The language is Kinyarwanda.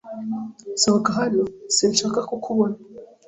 Sohoka hano, sinshaka kukubona